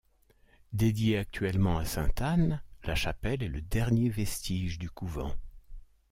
Dédiée actuellement à sainte Anne, la chapelle est le dernier vestige du couvent.